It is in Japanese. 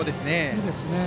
いいですね。